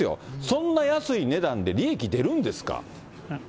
そんな安い値段で利益出るんですか。